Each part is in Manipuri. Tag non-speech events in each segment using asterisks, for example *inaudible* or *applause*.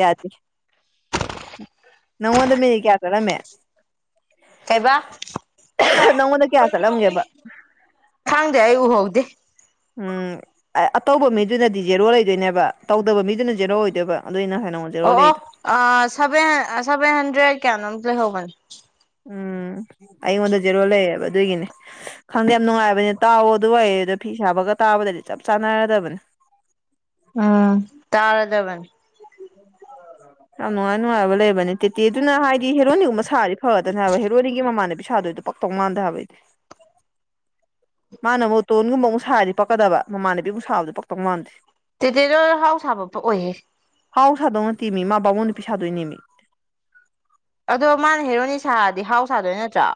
ꯌꯥꯗꯦ ꯅꯪꯉꯉꯣꯟꯗ ꯃꯤꯅꯤ ꯀꯌꯥ ꯇꯔꯃꯦ ꯀꯩꯕ ꯅꯪꯉꯣꯟꯗ ꯀꯌꯥ ꯆꯠꯂꯝꯒꯦꯕ ꯈꯥꯡꯗꯦ ꯑꯌꯨ ꯍꯣꯗꯦ ꯎꯝ ꯑꯇꯧꯕ ꯃꯤꯗꯨꯅꯗꯤ ꯖꯦꯔꯣ ꯂꯩꯗꯣꯏꯅꯦꯕ ꯇꯧꯗꯕ ꯃꯤꯗꯨꯅ ꯖꯦꯔꯣ ꯑꯣꯏꯗꯣꯏꯕ ꯑꯗꯨꯏ ꯉꯁꯥꯏ ꯅꯪꯉꯣꯟꯗ ꯖꯦꯔꯣ ꯑꯣ ꯂꯩꯗꯣ ꯑꯣ ꯁꯚꯦꯟ ꯁꯦꯚꯦꯟ ꯍꯟꯗ꯭ꯔꯦꯗ ꯀꯌꯥꯅꯣꯝ ꯂꯩꯍꯧꯒꯅꯤ ꯎꯝ ꯑꯩꯉꯣꯟꯗ ꯖꯦꯔꯣꯜ ꯂꯩꯌꯦꯦꯕ ꯑꯗꯨꯏꯒꯤꯅꯦ ꯈꯪꯗꯦ ꯌꯥꯝ ꯅꯨꯡꯉꯥꯏꯕꯅꯦ ꯇꯥꯎꯑꯣ ꯑꯗꯨ ꯑꯣꯏꯗ ꯐꯤ ꯁꯥꯕꯒ ꯇꯥꯕꯗꯗꯤ ꯆꯞ ꯆꯥꯟꯅꯔꯗꯕꯅꯦ *inaudible* ꯎꯝ ꯇꯥꯔꯥꯗꯕꯟ ꯌꯥꯝ ꯅꯨꯡꯉꯥꯏ ꯅꯨꯡꯉꯥꯏꯕ ꯂꯩꯕꯅꯦ ꯇꯦꯠꯇꯤ ꯑꯗꯨꯅ ꯍꯥꯏꯗꯤ ꯍꯦꯔꯣꯅꯤꯒꯨꯝꯕ ꯁꯥꯗꯤ ꯐꯒꯗꯅꯦ ꯍꯥꯏꯕ ꯍꯦꯔꯣꯅꯤꯒꯤ ꯃꯃꯥꯗ ꯄ ꯁꯥꯗꯣꯏꯗꯣ ꯄꯥꯛꯇꯧ ꯃꯥꯟꯗ ꯍꯥꯏꯕꯩꯗꯤ ꯃꯥꯅ ꯃꯣꯇꯣꯟꯒꯨꯝꯕ ꯃꯨꯁꯥꯔꯗꯤ ꯄꯛꯀꯗꯕ ꯃꯃꯥꯟꯅꯕꯤꯄꯤ ꯃꯨꯁꯥꯕꯨꯗꯤ ꯄꯛꯇꯧ ꯃꯥꯟꯗꯦ ꯇꯗꯤꯗ ꯍꯥꯎꯁꯥꯕ ꯑꯣꯏꯌꯦꯦ ꯍꯥꯎ ꯁꯥꯗꯧꯅꯠꯇꯃꯤ ꯃꯥ ꯕꯥꯃꯣꯜ ꯅꯨꯄꯤ ꯁꯥꯗꯣꯏꯅꯦꯃꯤ ꯑꯗꯣ ꯃꯥꯅ ꯍꯦꯔꯣꯅꯤ ꯁꯥꯔꯗꯤ ꯍꯥꯎ ꯁꯥꯗꯣꯏ ꯅꯠꯇ꯭ꯔꯣ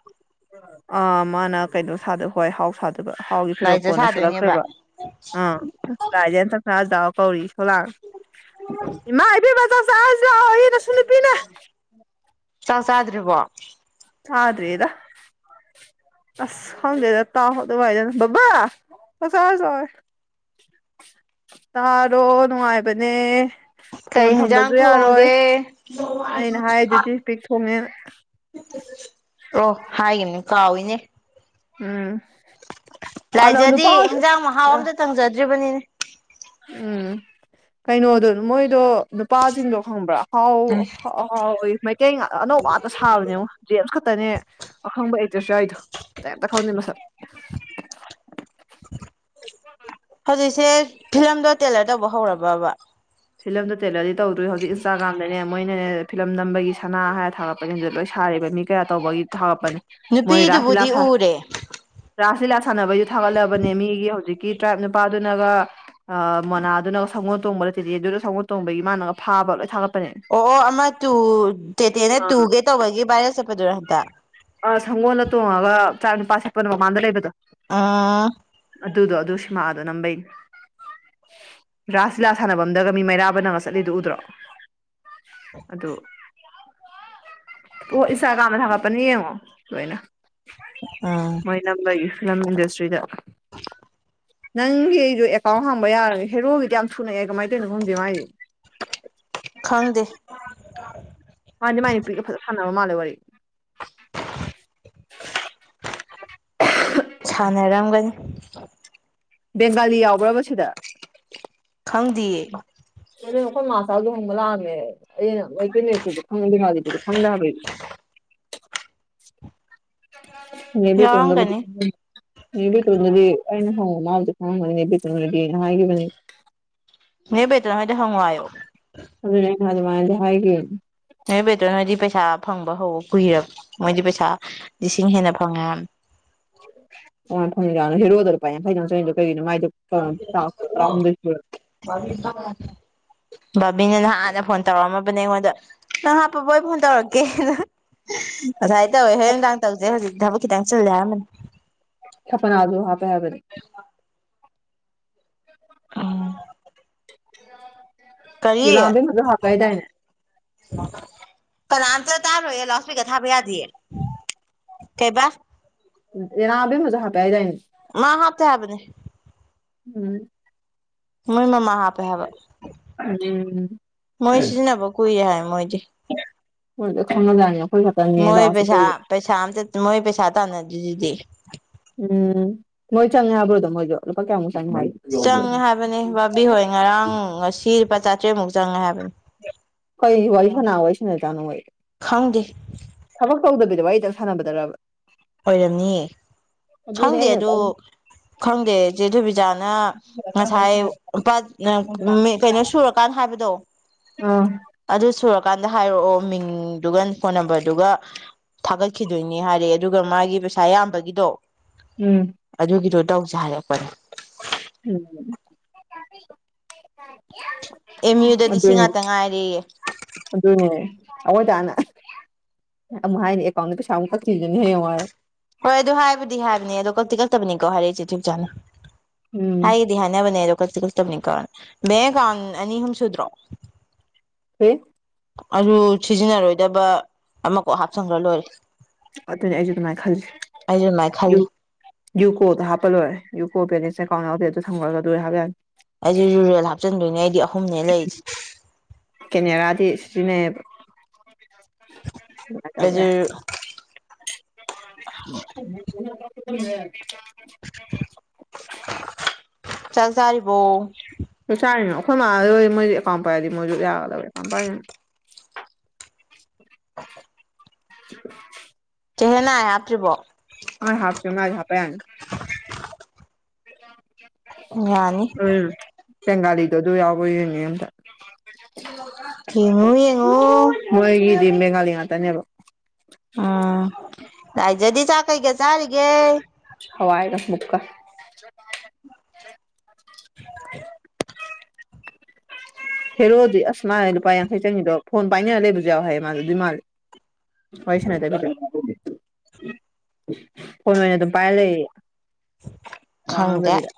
ꯑ ꯃꯥꯅ ꯀꯩꯅꯣ ꯁꯥꯗ ꯍꯣꯏ ꯍꯥꯎ ꯁꯥꯗꯣ ꯑꯗꯨꯒ ꯍꯥꯎꯒꯤ ꯐꯤꯔꯣꯞ ꯂꯥꯏꯖ ꯀꯣꯟꯅ ꯁꯥꯗꯣꯏꯅꯦꯕ ꯁꯠꯂꯛꯇꯣꯏꯕ ꯑꯥ ꯔꯥꯏꯖꯟ ꯆꯥꯛꯆꯥꯗꯥ ꯀꯧꯔꯤ ꯊꯣꯂꯥ ꯏꯃꯥ ꯏꯕꯦꯃ ꯆꯠ ꯆꯛ ꯆꯥꯗ꯭ꯔꯤꯕꯣ ꯆꯗ꯭ꯔꯤꯗ ꯑꯁ ꯈꯪꯗꯦꯗ *unintelligible* ꯕꯕꯥ ꯆꯥꯛ ꯆꯔꯁꯦ ꯂꯥꯛ ꯑꯣ ꯌꯦ ꯇꯥꯔꯣ ꯅꯨꯡꯉꯥꯏꯕꯅꯦ ꯐꯣꯟ ꯀꯩ ꯍꯦꯟꯖꯥꯡ ꯊꯝꯕꯁꯨ ꯌꯥꯔꯣꯏ ꯊꯣꯡꯒꯦ ꯑꯩꯅ ꯍꯥꯏꯗꯨꯗꯤ ꯄꯤꯛ ꯊꯣꯡꯉꯦꯅ ꯑꯣ ꯍꯥꯏꯈꯤꯕꯅꯤ ꯀꯥꯎꯏꯤꯅꯦ ꯑꯝ ꯂꯥꯏꯖꯗꯤ ꯍꯟꯖꯥꯡ ꯃꯍꯥꯎ ꯑꯝꯇ ꯇꯪꯖꯗ꯭ꯔꯤꯕꯅꯤꯅꯦ ꯎꯝ ꯀꯩꯅꯣꯗꯣ ꯃꯣꯏꯗꯣ ꯅꯨꯄꯥꯁꯤꯡꯗꯣ ꯈꯪꯕ꯭ꯔꯥ ꯍꯥꯎ *unintelligible* ꯀꯩ ꯉꯇ ꯑꯅꯧꯕ ꯉꯥꯛꯇ ꯁꯥꯕꯅꯦ ꯖꯦꯝꯁ ꯈꯛꯇꯅꯦ ꯑꯈꯪꯕ ꯑꯦꯛꯇ꯭ꯔꯦꯁ ꯌꯥꯎꯔꯤꯗꯣ ꯑꯇꯩ ꯑꯝꯇ ꯈꯪꯗꯦ ꯃꯁꯛ *inaudible* ꯁꯦ ꯐꯤꯂꯝꯗꯣ ꯇꯦꯂꯔ ꯇꯧꯕ ꯍꯧꯔꯕꯕ ꯐꯤꯂꯝꯗꯨꯣ ꯇꯦꯂꯔꯗꯤ ꯇꯧꯗꯣꯏꯔꯤ ꯍꯧꯖꯤꯛ ꯏꯟꯁꯇꯥꯒ꯭ꯔꯥꯝꯗꯅꯦ ꯃꯣꯏꯅꯅꯦ ꯐꯤꯂꯝ ꯅꯝꯕꯒꯤ ꯁꯅꯥ ꯍꯥꯏꯔ ꯊꯥꯡꯒꯠꯄꯅꯤ ꯂꯣꯏ ꯁꯥꯔꯤ ꯂꯩ ꯃꯤ ꯀꯌꯥ ꯇꯧꯕꯒꯤ ꯊꯒꯛꯄꯅꯤ ꯃꯣꯏ ꯔꯥꯁ ꯂꯤꯂꯥ ꯅꯨꯄꯤꯗꯨꯕꯨꯗꯤ ꯎꯔꯦ ꯔꯥꯁ ꯂꯤꯂꯥ ꯁꯥꯟꯅꯕꯩꯁꯨ ꯊꯥꯒꯠꯂꯕꯅꯦ ꯃꯤꯒꯤ ꯍꯧꯖꯤꯛꯤ ꯇ꯭ꯔꯥꯏꯞ ꯅꯨꯄꯥꯗꯨꯅꯒ ꯑ ꯃꯣꯅꯥꯗꯨꯅꯒ ꯁꯪꯒꯣꯜ ꯇꯣꯡꯕꯗ ꯁꯤꯗꯤ ꯑꯗꯨꯗ ꯁꯒꯣꯠ ꯇꯣꯡꯕꯒꯤ ꯃꯥꯅꯒ ꯐꯥꯕ ꯂꯣꯏ ꯁꯥꯡꯒꯠ ꯑꯣ ꯑꯣ ꯑꯃ ꯇꯨ ꯇꯦꯇꯦꯅ ꯑ ꯇꯨꯒꯦ ꯇꯧꯕꯒꯤ ꯚꯥꯏꯔ ꯆꯠꯄꯗꯨꯔꯣ ꯍꯟꯇ ꯑ ꯁꯪꯒꯣꯜꯗ ꯇꯣꯡꯉꯒ ꯆꯥ ꯅꯨꯄꯥ ꯁꯠꯄꯅꯣ ꯃꯃꯥꯡꯗ ꯂꯩꯕꯗꯣ ꯑꯥ ꯑꯗꯨꯗꯣ ꯑꯗꯨ ꯁꯤꯃꯥꯗꯣ ꯅꯝꯕꯩꯅꯦ ꯔꯥꯁ ꯂꯤꯂꯥ ꯁꯥꯟꯅꯅꯕ ꯑꯝꯗꯒ ꯃꯤ ꯃꯩꯔꯥꯕ ꯅꯪꯒ ꯆꯠꯂꯤꯗꯨ ꯎꯗ꯭ꯔꯣ ꯑꯗꯣ ꯑꯣ ꯏꯅꯁꯇꯥꯒꯝ ꯗ ꯊꯥꯒꯠꯄꯅꯦ ꯌꯦꯡꯉꯣ ꯂꯣꯏꯅ ꯎꯝ ꯃꯣꯏ ꯅꯝꯕꯒꯤ ꯐꯤꯂꯝ ꯏꯟꯗꯁꯇ꯭ꯔꯤꯗ *unintelligible* ꯅꯪꯒꯤ ꯑꯩꯗꯣ ꯑꯦꯀꯥꯎꯟ ꯍꯥꯡꯕ ꯌꯥꯔꯒꯦ ꯍꯦꯔꯣꯒꯤꯗꯤ ꯌꯥꯝ ꯁꯨꯅꯛꯑꯦ ꯀꯃꯥꯏꯅ ꯇꯧꯅꯣ ꯈꯪꯗꯦ ꯃꯥꯥꯏꯗꯤ *unintelligible* ꯈꯪꯗꯦ ꯃꯥꯥꯗꯤ ꯃꯥꯥꯏ ꯅꯨꯄꯤꯒ ꯐꯥꯟꯅ ꯁꯥꯟꯕ ꯃꯂꯦ ꯋꯥꯔꯤ ꯁꯥꯟꯅꯔꯝꯒꯅꯤ *unintelligible* ꯕꯦꯡꯒꯥꯂꯤ ꯌꯥꯎꯕ꯭ꯔꯕ ꯁꯤꯗ ꯈꯪꯗꯤꯌꯦ ꯑꯗꯨ ꯅꯈꯣꯏ ꯃꯥꯆꯥꯗ ꯍꯣꯡꯕ ꯂꯥꯛꯑꯝꯃꯦ ꯑꯩꯅ ꯃꯩꯇꯩ ꯃꯠꯇꯗ ꯈꯪꯗꯦꯒꯤꯗꯨꯗꯤ ꯈꯪꯗꯕꯩ *unintelligible* *unintelligible* ꯃꯤꯕ ꯇꯗꯕ ꯌꯥꯎꯔꯝꯒꯅꯤ ꯇꯗꯗꯤꯩꯅ *unintelligible* ꯍ ꯃꯥꯁꯨ ꯐꯪꯉꯅꯤꯅꯦ *unintelligible* ꯍꯥꯏꯦꯕꯅꯤ ꯅꯦ ꯕꯦꯇꯣꯜ ꯍꯣꯏꯗ ꯍꯪꯉꯣ ꯍꯥꯏꯌꯣ ꯑꯗꯨꯅꯦ ꯑꯩꯅ ꯍꯥꯏꯖ *unintelligible* ꯅꯣꯏꯕꯦꯗ꯭ꯔꯣ ꯅꯣꯏꯗꯤ ꯄꯩꯁꯥ ꯐꯪꯕ ꯍꯧꯕ ꯀꯨꯏꯔꯕ ꯃꯣꯏꯗꯤ ꯄꯩꯁꯥ ꯂꯤꯁꯤꯡ ꯍꯦꯟꯅ ꯐꯪꯉꯦ ꯍꯥꯏꯕꯅꯦ ꯍꯦꯔꯣꯗ ꯂꯨꯄ ꯌꯥꯡꯈꯩ ꯗꯪ ꯆꯪꯉꯤꯗꯣ ꯀꯩꯒꯤꯅꯣ ꯃꯥꯏ ꯁ *inaudible* ꯕꯤꯅ ꯅꯍꯥꯟꯅ ꯐꯣꯟ ꯇꯧꯔꯛꯝꯃꯕꯅꯦ ꯑꯩꯉꯣꯟꯗ ꯅꯪ ꯍꯥꯞꯄꯕꯣ ꯐꯣꯟ ꯇꯧꯔꯛꯀꯦꯅ ꯉꯁꯥꯏ ꯇꯧꯋꯦ ꯍꯣꯔ ꯅꯨꯡꯗꯥꯥꯡ ꯇꯧꯁꯦ ꯍꯧꯖꯤꯛꯇ ꯊꯕꯛ ꯈꯤꯇ ꯆꯤꯜꯂꯦ ꯍꯥꯏꯔꯝꯕꯅꯤ ꯈꯄꯅꯖꯣ *unintelligible* ꯍꯥꯄꯦ ꯍꯥꯏꯕꯅꯦ ꯑꯥ ꯌꯦꯂꯕꯦꯝ ꯃꯖ ꯍꯥꯀꯥꯏꯗꯅꯦ ꯀꯅꯥꯥꯟꯇ ꯇꯥꯔꯌꯦ ꯂꯣꯁꯄꯤꯒ ꯊꯥꯕ ꯌꯥꯗꯌꯦ ꯀꯩꯕꯥ ꯅꯥꯕꯤ ꯃꯖꯥ ꯄꯦ ꯍꯥꯏꯗꯅꯦ ꯆꯥꯕꯅꯦ ꯎꯝ ꯃꯣꯏ ꯃꯃꯥ ꯍꯥꯄꯦ ꯍꯥꯏꯕ ꯎꯝ ꯃꯣꯏ ꯁꯤꯖꯤꯅꯕ ꯀꯨꯏꯍꯦ ꯃꯣꯏꯗꯤ ꯃꯣꯏ ꯂꯣꯏ ꯈꯪꯉꯖꯥꯠꯅꯤ ꯑꯩꯈꯣꯏ ꯈꯛꯇꯅꯦ ꯃꯣꯏ ꯂꯥꯁꯇ ꯄꯩꯁꯥ ꯇꯧꯔꯤꯁꯦ ꯄꯁꯥꯗ ꯃꯣꯍꯤ ꯄꯁꯥ ꯊꯥꯟꯗꯤ ꯎꯝ ꯃꯣꯏ ꯆꯪꯦ ꯍꯥꯏꯕ꯭ꯔꯗ ꯃꯣꯏ ꯂꯨꯄꯥ ꯀꯌꯥꯨꯁ ꯆꯪꯉꯦ ꯍꯥꯏꯕꯅꯤ ꯕꯥꯕꯤꯍꯣꯏ ꯉꯔꯥꯡ ꯉꯁꯤ ꯂꯨꯄꯥ ꯆꯥꯇꯔꯦꯠꯃꯨꯛ ꯆꯪꯉꯦ ꯍꯥꯏꯕꯅꯤ ꯀꯣꯏ ꯏ ꯋꯥꯂꯤ ꯐꯅꯋꯥꯏꯁ ꯅ ꯇ ꯃꯣꯏ ꯈꯥꯎꯒꯦ ꯑꯗꯨ ꯋꯥꯔꯤꯇꯛ ꯁꯥꯟꯅꯗꯕ ꯑꯣꯏꯔꯝꯅꯤꯌꯦ ꯑꯗꯨꯅꯦ ꯈꯪꯗꯦ ꯑꯩꯅ ꯑꯗꯨ ꯈꯪꯗꯦꯆꯦ ꯨꯕꯤꯖꯥꯟ ꯉꯁꯥꯏ ꯀꯩꯅꯣ ꯁꯨꯔꯀꯥꯟꯗ ꯍꯥꯏꯕꯗꯣ ꯑꯥ ꯑꯗꯨ ꯁꯨꯔꯀꯥꯟꯗ ꯍꯥꯏꯔꯛꯑꯣ ꯃꯤꯡꯗꯨꯒ ꯐꯣꯟ ꯅꯝꯕꯔꯗꯨꯒ ꯊꯥꯒꯠꯈꯤꯗꯣꯏꯅꯤ ꯍꯥꯏꯔꯦ ꯑꯗꯨꯒ ꯃꯥꯒꯤ ꯄꯩꯁꯥ ꯑꯌꯥꯝꯕꯒꯤꯗꯣ ꯎꯝ ꯑꯗꯨꯒꯤꯗꯣ ꯇꯧꯁꯦ ꯍꯥꯏꯔꯛꯄꯅꯦ ꯎꯝ ꯑꯦꯝ *inaudible* ꯌꯨꯗꯗꯤ ꯁꯤ ꯑꯗꯨꯅꯦ ꯉꯥꯛꯇ ꯉꯥꯏꯔꯦꯌꯦ ꯑꯗꯨꯅꯦ ꯑꯩꯏꯇꯥꯅ ꯑꯃꯨꯛ ꯍꯥꯏꯅꯤ ꯑꯦꯀꯥꯎꯟꯗ ꯄꯩꯁꯥ ꯑꯃꯨꯛ ꯀꯛꯈꯤꯁꯤꯅ ꯍꯌꯦꯡꯋꯥꯏ ꯍꯣꯏ ꯑꯗꯨ ꯍꯥꯏꯕꯨꯗꯤ ꯍꯥꯏꯕꯅꯤ ꯑꯗꯣ ꯀꯛꯇꯤ ꯀꯛꯇꯕꯅꯤꯀꯣ ꯍꯥꯏꯔꯛ ꯆꯤꯊꯨ ꯆꯥꯅ ꯎꯝ ꯍꯥꯏ ꯏꯗꯤ ꯍꯅ ꯃꯅꯦ ꯀꯁꯤ ꯀ ꯇꯅꯤ ꯀꯦ ꯃꯦꯒ ꯑꯅꯤꯍꯨꯝ ꯁꯨꯗ꯭ꯔꯣ ꯍ ꯑꯗꯨ ꯁꯤꯖꯤꯟꯅꯔꯣꯏꯗꯕ ꯑꯃ ꯀꯥꯎ ꯍꯥꯞꯆꯟꯈ꯭ꯔ ꯂꯣꯏꯔꯦ ꯑꯗꯨꯅꯤ ꯑꯩꯁꯨ ꯑꯗꯨꯃꯥꯏꯅ ꯈ ꯑꯩꯁꯨ ꯑꯗꯨꯃꯥꯏꯅ ꯈꯜꯂꯤ ꯌꯨꯀꯣꯗ ꯍꯥꯞꯄ ꯂꯣꯏꯔꯦ ꯌꯨꯀꯣ ꯕꯦꯂꯦꯟꯁ ꯑꯦꯀꯥꯎꯟ ꯌꯥꯎꯗꯦ ꯑꯗꯨ ꯊꯝꯃꯒ ꯑꯗꯨꯣꯏꯔꯦ ꯍꯥꯞ ꯌꯥꯛꯅꯤ ꯑꯩꯁ ꯔꯨꯔꯦꯜ ꯍꯥꯞꯆꯤꯟꯗꯣꯏꯅꯦ ꯑꯩꯗꯤ ꯑꯍꯨꯝꯅꯦ ꯂꯩꯔꯤꯁꯦ ꯀꯦꯅꯦꯔꯥꯗꯤ ꯁꯤꯖꯤꯟꯅꯩꯌꯦꯕ ꯁꯃꯥꯏꯅ ꯇꯧꯈꯦ ꯑꯩꯁꯨ *unintelligible* ꯆꯠꯖꯔꯔꯤꯕꯣ ꯊꯣꯏ ꯃꯥꯔꯣꯏ ꯃꯣꯏꯗꯤ ꯑꯦꯀꯥꯎꯝ ꯄꯔꯗꯤ ꯃꯣꯏꯁꯨ ꯌꯥꯒꯗꯧ *unintelligible* ꯀꯦꯍꯦꯟꯅ ꯍꯥꯞꯇ꯭ꯔꯤꯕꯣ ꯍꯣꯏ ꯍꯥꯞꯆ ꯍꯅ ꯍꯥꯄꯦꯅꯤ ꯌꯥꯅꯤ ꯎꯝ ꯕꯦꯡꯒꯥꯂꯤꯗ ꯑꯗꯨ ꯌꯥꯎꯋ ꯑꯣꯏꯌꯦꯅꯤ ꯑꯝꯇ ꯌꯦꯡꯉꯣ ꯌꯦꯡꯉꯣ ꯃꯦꯘꯥꯂꯌꯥ ꯇꯅꯦꯕꯣ ꯎꯝ ꯂꯏꯖꯗꯤ ꯆꯥꯛ ꯀꯩꯒꯦ ꯆꯥꯔꯤꯒꯦ ꯍꯋꯥꯏꯗ ꯃꯨꯀꯥ *inaudible* ꯍꯦꯔꯣꯑꯣꯗꯤ ꯑꯁ ꯃꯥꯦ ꯂꯨꯄꯥ ꯌꯥꯡꯈꯩ ꯆꯪꯅꯤꯗꯣ ꯐꯣꯟ ꯄꯥꯏꯅꯔ ꯂꯩꯕꯁꯨ ꯌꯥꯎ ꯍꯥꯏꯌꯦ ꯃꯥꯜꯂ ꯑꯗꯨꯏ ꯃꯥꯜꯂꯦ ꯑꯣꯏꯁ ꯅ ꯀꯣꯟ ꯃꯅꯦ ꯑꯗꯨ ꯄꯥꯏ ꯂꯩ ꯈꯪꯗꯦ ꯀꯉꯗꯕꯤꯗ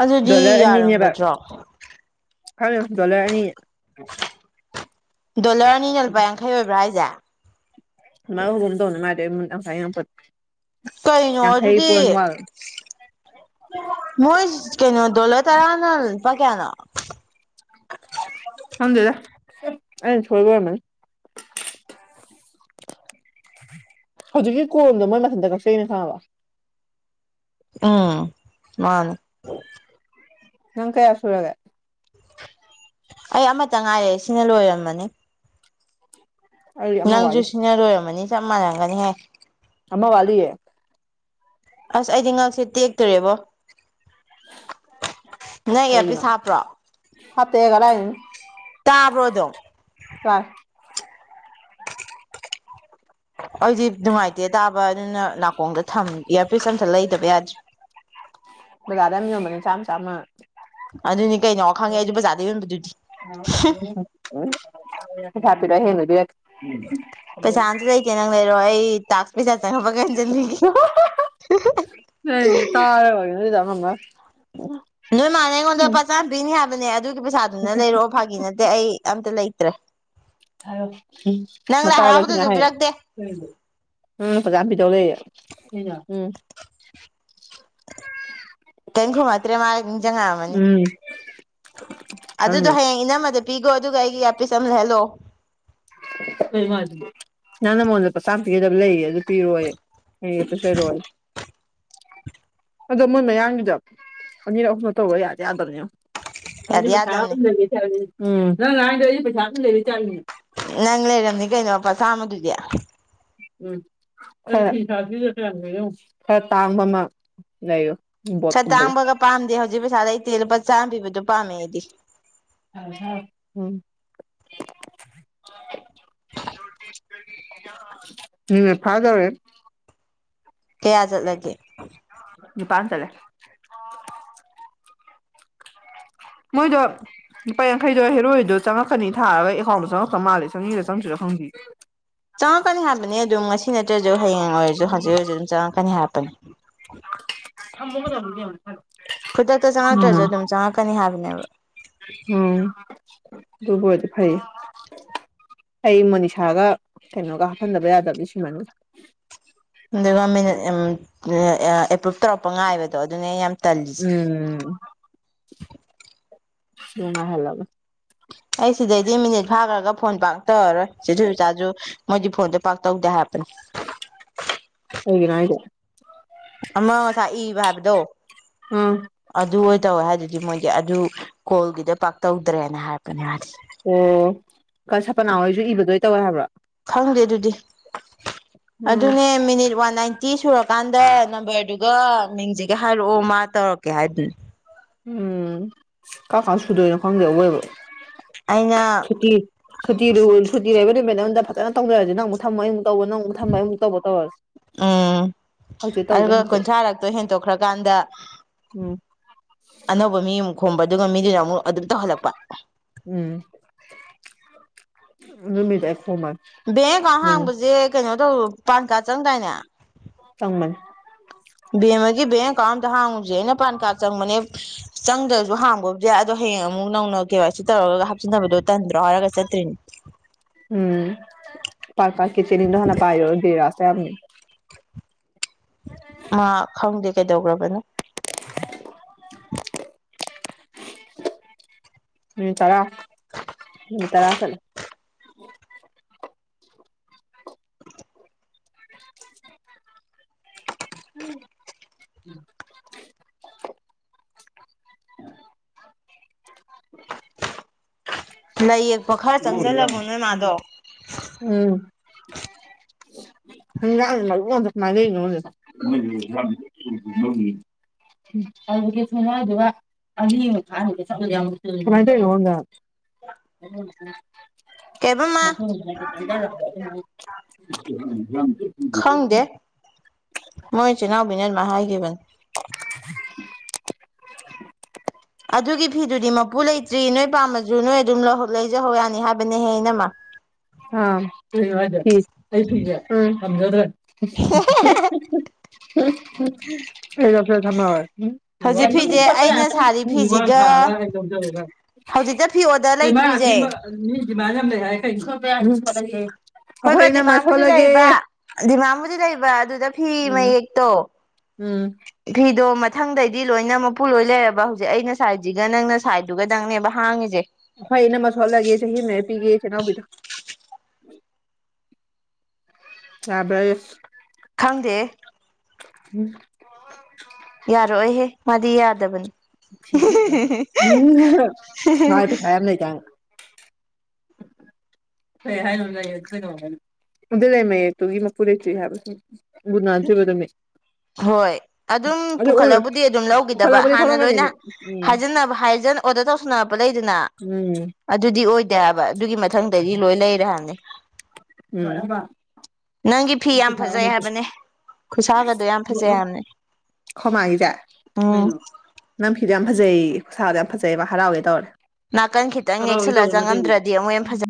ꯑꯗꯨꯗꯤ ꯌꯥꯔꯝꯒꯗ꯭ꯔꯣ ꯀꯔ ꯆꯂ ꯑ ꯗꯣꯂꯔ ꯑꯅꯤꯅ ꯂꯨꯄꯥ ꯌꯥꯡꯈꯩ ꯑꯣꯏꯕ꯭ꯔꯥ ꯍꯥꯏꯁꯦ ꯃꯥ ꯍꯒꯝꯗꯧꯅ ꯃꯥꯔꯦ ꯐ ꯌꯥꯝ ꯀꯩꯅꯣ ꯑꯗꯨꯗꯤ ꯃꯣꯏ ꯀꯩꯅꯣ ꯗꯣꯂꯔ ꯇꯔꯥꯅ ꯂꯨꯄꯥ ꯀꯌꯥꯅ ꯊꯖꯗ ꯑ ꯁꯣꯏꯕꯅ ꯍꯧꯖꯤꯛꯀꯤ ꯀꯣꯝꯗ ꯃꯣꯏ ꯃꯊꯟꯇ ꯀꯛꯆꯩꯅ ꯁꯥꯥꯕ ꯎꯝ ꯃꯥꯅꯦ ꯅꯪ ꯀꯩꯁꯨꯨꯔꯒ ꯑꯩ ꯑꯃꯇ ꯉꯥꯏꯔꯑꯦ ꯁꯤꯅ ꯂꯣꯏꯔꯝꯃꯅꯤ ꯑꯩ ꯑꯃ ꯅꯪꯁꯨ ꯋꯥꯠꯂꯤ ꯁꯤꯅ ꯂꯣꯏꯔꯝꯃꯅꯤ ꯆꯞ ꯃꯥꯟꯅꯝꯒꯅꯤꯍꯦꯛ ꯋꯥꯂꯤ ꯑꯦ ꯑꯁ ꯑꯩꯗꯤ ꯉꯛꯁꯦ ꯇꯦꯛꯇꯣꯔꯦꯕꯣ ꯅꯪ ꯑꯦ ꯄ ꯁꯥꯄ꯭ꯔꯣ ꯐꯠꯇꯦꯒꯏ ꯇꯥꯕ꯭ꯔꯣꯗꯣ ꯁꯥ ꯑꯩꯗꯤ ꯅꯨꯡꯉꯥꯏꯇꯦ ꯇꯥꯕ ꯑꯗꯨꯅ ꯅꯥꯀꯣꯡꯗꯝ ꯏꯌꯥꯔꯄꯤꯁ ꯑꯝꯇ ꯂꯩꯇꯕ ꯌꯥꯗ꯭ꯔꯦ ꯗꯥꯥꯗꯝ ꯌꯥ ꯃꯅꯤ ꯆꯝ ꯆꯝ ꯑꯗꯨꯅꯤ ꯀꯩꯅꯣ ꯋꯥ ꯈꯪꯉꯦ ꯑꯗꯨ ꯕꯖꯥꯔꯗ ꯌꯣꯟꯕꯗꯨꯗꯤ ꯊꯥꯄꯤꯔ ꯍꯦꯅꯗꯤ ꯌꯥ ꯄꯁꯟꯁꯁꯇꯦ ꯅꯪ ꯂꯩꯔꯣ ꯑꯩ ꯇꯥꯄꯤ ꯆꯥ ꯆꯕ ꯀꯅ ꯆꯅꯤꯡꯒꯤ ꯅꯪꯅ ꯇꯥꯔꯒ ꯑꯣꯏꯔꯝꯅꯤ ꯑꯗꯨꯗ ꯑꯃ ꯅꯣꯏ ꯃꯥꯅ ꯑꯩꯉꯣꯟꯗ ꯄꯆꯥꯝ ꯄꯤꯅꯤ ꯍꯥꯏꯕꯅꯦ ꯑꯗꯨꯒꯤ ꯄꯩꯁꯥꯗꯨꯅ ꯂꯩꯔꯛꯑꯣ ꯐꯥꯒꯤ ꯅꯠꯇꯦ ꯑꯩ ꯑꯝꯇ ꯂꯩ ꯄ꯭ꯔ ꯎꯝ ꯃꯇ ꯍꯔꯥꯎꯕꯗꯁꯨ ꯇꯥꯕꯁꯤꯅ ꯍꯥꯏꯌꯣ ꯄꯤꯔꯛꯇꯦ ꯎꯝ ꯄꯖꯥꯕꯤꯤꯗꯧ ꯂꯩ ꯎꯝ ꯇꯦꯡꯈꯨ ꯃꯥꯇꯦ ꯃꯥꯔꯒ ꯆꯉ ꯑꯃꯅꯤꯅꯤ ꯎꯝ ꯑꯗꯨꯗꯣ ꯈꯪꯉꯦ ꯍꯌꯦꯡ ꯏꯅꯝꯃꯗ ꯄꯤꯈꯣ ꯑꯗꯨꯒ ꯑꯩꯒꯤ ꯑꯄꯤꯤꯁ ꯑꯃ ꯂꯩꯍꯜꯂꯣ ꯅ ꯅꯃꯣꯟꯗ ꯄꯁꯥꯇꯤꯒꯗꯕ ꯂꯩꯌꯦ ꯑꯗꯨ ꯄꯤꯔꯣ ꯁꯔ ꯑꯗꯣ ꯃꯨꯟ ꯃꯌꯥꯗꯨꯗ ꯑꯅꯤꯔꯛ ꯑꯍꯨꯝꯂ ꯇꯧꯕ ꯌꯥꯗꯤ ꯌꯥꯗꯕꯅꯤꯅ ꯁꯥ ꯌꯥꯗꯤ ꯌꯥꯗꯕꯅꯤ ꯂꯩ ꯆ ꯂꯗ ꯄꯁꯥ ꯂꯩꯅꯤ ꯆꯅꯤ ꯅꯪ ꯂꯩꯔꯝꯅꯤ ꯀꯩꯅꯣ ꯃꯄꯥ ꯆꯥꯝꯃꯗꯨꯗꯤ ꯎꯝ ꯈꯔ ꯇꯥꯡꯕ ꯑꯃ ꯂꯩꯌꯨ ꯈꯔ ꯇꯥꯡꯕꯒ ꯄꯥꯝꯗꯦ ꯍꯧꯖꯤꯛ ꯄꯩꯁꯥ ꯂꯩꯇꯦ ꯂꯨꯄꯥ ꯆꯥꯝꯕꯤꯕꯗꯣ ꯄꯥꯝꯃꯦ ꯑꯩꯗꯤ ꯎꯝ ꯎꯝ ꯐꯥꯔꯖꯋꯦ ꯀꯌꯥ ꯆꯠꯂꯒꯦ ꯅꯤꯄꯥꯟ ꯆꯠꯂꯦ ꯃꯣꯏꯗꯣ ꯂꯨꯄꯥ ꯌꯥꯡꯈꯩꯗꯣ ꯍꯦꯔꯣꯏꯗꯣ ꯆꯪꯉꯛꯀꯅꯤ ꯊꯥꯔꯒ ꯑꯦꯀꯥꯎꯟꯗꯣ ꯆꯪꯉꯛꯇꯄ ꯃꯥꯜꯂ ꯆꯪꯉꯔ ꯆꯪꯁꯤꯔ ꯍ ꯆꯪꯉꯛꯀꯅꯤ ꯍꯥꯏꯕꯅꯤ ꯑꯗꯨꯝ ꯉꯁꯤ ꯅꯠꯇ꯭ꯔꯁꯨ ꯍꯌꯦꯡ ꯑꯣꯏꯔꯁꯨ ꯍꯧꯖꯤꯛ ꯑꯣꯏꯔꯁꯨ ꯑꯗꯨꯝ ꯆꯪꯉꯛꯀꯅꯤ ꯍꯥꯏꯄꯅꯤ ꯊꯃꯕꯨ ꯆꯕꯨꯗꯤ ꯌꯥꯝ ꯈꯨꯗꯛꯇ ꯆꯪꯉꯛꯇ꯭ꯔꯁꯨ ꯑꯗꯨꯝ ꯆꯪꯉꯛꯀꯅꯤ ꯍꯥꯏꯕꯅꯦꯕ ꯗꯨꯕꯨꯗꯤ ꯐꯩ ꯑꯩ ꯃꯣꯅꯤꯁꯥꯒ ꯀꯩꯅꯣꯒ ꯍꯥꯞꯐꯟꯗꯕ ꯌꯥꯗꯕꯗꯤ ꯁꯤꯃꯅꯤ ꯒ ꯃ ꯇꯧꯔꯛꯄ ꯉꯥꯏꯕꯗꯣ ꯑꯗꯨꯅꯦ ꯌꯥꯝ ꯇꯜꯂꯤꯁꯦ ꯎꯝ ꯉꯥꯏ ꯍꯂꯒ ꯑꯩ ꯁꯤꯗꯩꯗꯤ ꯃꯤꯅꯤꯠ ꯐꯥꯈ꯭ꯔꯒ ꯐꯣꯟ ꯄꯥꯛ ꯇꯧꯔꯔꯣꯏ ꯆꯤꯖꯨ ꯆ ꯆꯥꯁꯨ ꯃꯣꯏꯗꯤ ꯐꯣꯟꯗꯣ ꯄꯥꯛ ꯇꯧꯗꯦ ꯍꯥꯏꯞꯄꯅꯦ ꯍꯒꯤ ꯑꯃꯥꯡ ꯉꯁꯥꯏ ꯏꯕ ꯍꯥꯏꯕꯗꯣ ꯑꯥ ꯑꯗꯨ ꯑꯣꯏ ꯇꯧꯋꯦ ꯍꯥꯏꯗꯨꯗꯤ ꯃꯣꯏꯒꯤ ꯑꯗꯨ ꯀꯣꯜꯒꯤꯗ ꯄꯥꯛꯇꯧꯗ꯭ꯔꯦꯅ ꯍꯥꯏꯔꯛꯄꯅꯦ ꯍꯥꯏꯗꯤ ꯑꯣ ꯁꯥꯄꯅꯥꯍꯣꯏꯁꯨ ꯏꯕꯗꯣꯏ ꯇꯧꯋꯦ ꯍꯥꯏꯕ꯭ꯔꯣ ꯈꯪꯗꯦ ꯑꯗꯨꯗꯤ ꯎꯝ ꯑꯗꯨꯅꯦ ꯃꯤꯅꯤꯠ ꯋꯥꯟ ꯅꯥꯏꯟꯇꯤ ꯁꯨꯔꯀꯥꯟꯗ ꯅꯝꯕꯔꯗꯨꯒ ꯃꯤꯡꯁꯤꯒ ꯍꯥꯏꯔꯛꯑꯣ ꯃꯥ ꯇꯧꯔꯛꯀꯦ ꯍꯥꯏꯗꯨꯅꯤ ꯎꯝ ꯀꯥ ꯀꯥ ꯁꯨꯗꯣꯏꯅꯣ ꯈꯪꯗꯦ ꯑꯩꯋꯣꯏꯕ ꯑꯩꯅ ꯁꯨꯇꯤ ꯁꯨꯇꯤ ꯁꯨꯇꯤ ꯂꯩꯕ ꯅꯨꯃꯤꯠ ꯑꯩꯉꯣꯟꯗ ꯐꯖꯅ ꯇꯧꯖꯔꯁꯤ ꯅꯪ ꯑꯃꯨꯛ ꯊꯝꯃꯣ ꯑꯩ ꯑꯃꯨ ꯇꯧꯕ ꯅꯪ ꯑꯃꯨꯛ ꯊꯝꯃ ꯑꯃꯨꯛ ꯇꯧꯕ ꯇꯧꯔꯁꯤ ꯎꯝ ꯍꯪꯆꯤꯠ ꯇꯧꯁꯦ ꯑꯗꯨꯒ ꯍꯪꯆꯤꯠ ꯀꯨꯟꯊ꯭ꯔꯥꯔꯛꯇꯣ ꯍꯦꯟꯇꯣꯛꯈ꯭ꯔꯀꯥꯟꯗ ꯎꯝ ꯑꯅꯧꯕ ꯃꯤ ꯑꯃꯨꯛ ꯈꯣꯝꯕ ꯑꯗꯨꯒ ꯃꯤꯗꯨꯅ ꯑꯃꯨꯛ ꯑꯗꯨꯝ ꯇꯧꯍꯜꯂꯛꯄ ꯅꯨꯃꯤꯗ ꯕꯦꯡ ꯑꯦꯀꯥꯎꯟ ꯍꯥꯡꯕꯁꯦ ꯀꯩꯅꯣ ꯇꯧ ꯄꯥꯟ ꯀꯥꯔꯗ ꯆꯪꯗꯥꯏꯅꯦ ꯎ ꯕꯦꯡ ꯑꯃꯒꯤꯒꯤ ꯕꯦꯡ ꯑꯦꯀꯥꯎꯟ ꯑꯇ ꯍꯥꯡꯉꯨꯁꯦ ꯑꯩꯅ ꯄꯥꯟ ꯀꯥꯔꯗ ꯆꯪꯕꯅꯦ ꯆꯪꯗ꯭ꯔꯁꯨ ꯍꯥꯡꯈꯕꯨꯗꯤ ꯑꯗꯣ ꯍꯌꯦꯡ ꯑꯃꯨꯛ ꯅꯧꯅ ꯀꯦ ꯋꯥꯏ ꯁꯤ ꯇꯧꯔꯒ ꯍꯥꯞꯆꯟꯅꯕꯗꯣ ꯇꯟꯗ꯭ꯔꯣ ꯍꯥꯢꯔꯒ ꯆꯠꯇ꯭ꯔꯤꯅꯤ ꯄꯥꯛ ꯄꯔ ꯀ ꯆꯦꯅꯤꯗꯣ ꯍꯅ ꯄꯥꯏꯔ ꯔ ꯑꯁꯦ ꯌꯥꯝꯝꯅꯤ *unintelligible* ꯃꯥ ꯈꯪꯗꯦ ꯀꯩꯗꯧꯈ꯭ꯔꯕꯅꯣ ꯎꯝ ꯇꯔꯥ ꯎꯝ ꯇꯔꯥꯁꯂ ꯑ ꯎꯝ ꯂꯥꯏ ꯌꯦꯛꯄ ꯈꯔ ꯆꯪꯁꯤꯜꯂꯕꯣ ꯅꯣꯏ ꯃꯥꯗꯣ ꯂꯗ ꯍꯧꯗꯤ ꯁꯨꯝꯃ ꯋꯥ ꯀꯩꯕ ꯃꯥ ꯑ *inaudible* ꯈꯪꯗꯦ ꯃꯣꯏ ꯏꯆꯤꯜ ꯏꯅꯥꯎꯕꯤꯅꯃ ꯍꯥꯏꯈꯤꯕꯅꯤ ꯑꯗꯨꯒꯤ ꯐꯤꯗꯨꯗꯤ ꯃꯄꯨ ꯂꯩꯇ꯭ꯔꯤ ꯅꯣꯏ ꯄꯥꯝꯃꯁꯨ ꯅꯣꯏ ꯑꯗꯨꯝ ꯂꯩꯖꯍꯧ ꯌꯥꯅꯤ ꯍꯥꯏꯕꯅꯦꯍꯦꯅꯃ ꯑ *inaudible* ꯑꯦꯒ ꯐꯦ ꯊ ꯍꯧꯖꯤꯛ ꯍ ꯐꯤꯁꯦ ꯑꯩꯅ ꯁꯥꯔꯤ ꯊ ꯐꯤꯁꯤꯒ ꯆ ꯍꯧꯖꯤꯛꯇ ꯐꯤ ꯑꯣꯗꯔ ꯀꯕꯥ ꯂꯩꯇ꯭ꯔꯤꯁꯦ ꯃꯤꯃ ꯌꯥꯝ ꯂꯩ ꯍꯥꯏ ꯀ ꯍꯣꯏꯕ ꯗꯤꯃꯥꯝꯕꯨꯗꯤ ꯂꯩꯕ ꯗꯤꯃꯥꯕꯨꯗꯤ ꯂꯩꯕ ꯑꯗꯨꯗ ꯐꯤ ꯎꯝ ꯃꯌꯦꯛꯇꯣ ꯎꯝ ꯐꯤꯗꯣ ꯃꯊꯪꯗꯩꯗꯤ ꯂꯣꯏꯅ ꯃꯄꯨ ꯂꯣꯏ ꯂꯩꯔꯕ ꯍꯧꯖꯤꯛ ꯑꯩꯅ ꯁꯥꯏꯠꯁꯤꯒ ꯅꯪꯅ ꯁꯥꯏꯗꯇꯨꯒꯗꯪꯅꯦꯕ ꯍꯥꯡꯉꯤꯁꯦ ꯐꯩꯅ ꯃꯁꯥꯂꯥꯒꯤ ꯆꯍꯤ ꯃ ꯄꯤꯒꯦ ꯆꯅꯗ ꯌꯥꯕ ꯈꯪꯗꯦ ꯎꯝ ꯌꯥꯔꯑꯣꯍꯦ ꯃꯥꯗꯤ ꯌꯥꯗꯕꯅꯤ *inaudible* ꯉꯥꯏ ꯄꯩꯁꯥ ꯌꯥꯝ ꯂꯩ ꯀꯥꯏꯅ ꯍꯣꯏ ꯍꯥꯏꯅꯨ ꯂꯥꯏ ꯌ ꯆꯉꯝꯒꯅꯦ ꯗ ꯂꯩ ꯃ ꯇꯒꯤ ꯃ ꯄꯨꯔꯦ ꯆ ꯍꯥꯏꯕ ꯒꯨꯅꯥꯕ ꯑꯗꯨ ꯍꯣꯏ ꯑꯗꯨꯝ ꯑꯣꯏꯔꯣ ꯄꯨꯈꯠꯂꯕꯨꯗꯤ ꯑꯗꯨꯝ ꯂꯧꯈꯤꯗꯕ ꯄꯨꯈꯠꯂꯛꯄꯗꯤ ꯍꯥꯟꯅ ꯂꯣꯏꯅ ꯊꯣꯛꯂꯛꯀꯅꯤꯃꯤ ꯎꯝ ꯍꯥꯏꯖꯟꯅꯕ ꯍꯥꯏꯖ ꯈꯤꯇ ꯑꯣꯔꯗꯔ ꯇꯧꯁꯟꯅꯔꯛꯄ ꯂꯩꯗꯅ ꯎꯝ ꯑꯗꯨꯗꯤ ꯑꯣꯏꯗꯦꯕ ꯑꯗꯨꯒꯤ ꯃꯊꯪ ꯔꯤ ꯂꯣꯏ ꯂꯩꯔꯅꯤ ꯎꯝ ꯅꯪꯒꯤ ꯐꯤ ꯌꯥꯝ ꯐꯖꯩ ꯍꯥꯏꯕꯅꯦ ꯈꯨꯠꯁꯥꯒꯗꯣ ꯌꯥꯝ ꯐꯖꯩ ꯍꯥꯏꯕꯅꯦ ꯑꯈꫭꯏ‌ ꯎꯝ ꯃꯥꯏꯖ‌ꯦ ꯐꯤꯗꫭ ꯌꯥꯝ ꯐꯖꯩ ꯈꯨꯁꯗꯣ ꯌꯥꯝ ꯐꯖꯩꯕ ꯍꯔꯥꯎꯒ‌ꯦ ꯇꯧꯔꯦ ꯅꯥꯀꯟ ꯈꯤꯇꯪ ꯍꯔꯥꯎꯒꯦ ꯌꯦꯛꯁꯜꯂꯒ ꯇꯧꯕ ꯅꯠꯇꯦꯃꯤ ꯆꯪꯉꯝꯗ꯭ꯔꯗꯤ ꯑꯃꯨꯛ ꯍ‌ꯦꯟ ꯐꯖꯩ